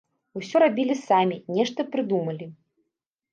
Усё рабілі самі, нешта прыдумалі.